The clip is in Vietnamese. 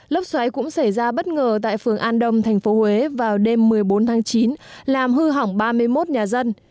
lấp xoáy cũng xảy ra bất ngờ tại phường an đông thành phố huế vào đêm một mươi bốn tháng chín làm hư hỏng ba mươi một nhà dân